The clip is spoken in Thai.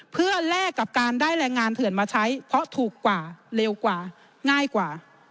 เพื่อแลกกับการได้แรงงานเถื่อนมาใช้เพราะถูกกว่าเร็วกว่าง่ายกว่า